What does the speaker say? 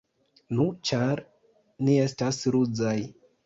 Nu, ĉar ni estas ruzaj.